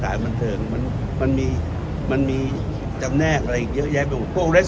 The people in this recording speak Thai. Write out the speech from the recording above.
การประชุมเมื่อวานมีข้อกำชับหรือข้อกำชับอะไรเป็นพิเศษ